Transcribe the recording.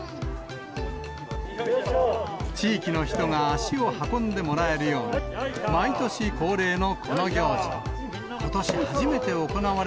地域の人が足を運んでもらえるように、毎年恒例のこの行事。